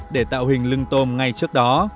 để tạo hình lưng tôm ngay trước đó